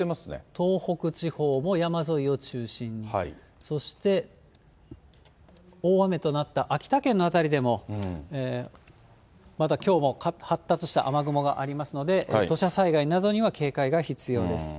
東北地方も山沿いを中心に、そして大雨となった秋田県の辺りでも、まだきょうも発達した雨雲がありますので、土砂災害などには警戒が必要です。